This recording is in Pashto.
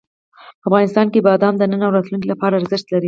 افغانستان کې بادام د نن او راتلونکي لپاره ارزښت لري.